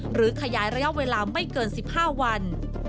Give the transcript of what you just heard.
หรือขยายระยะเวลาไม่เกิน๑๕วัน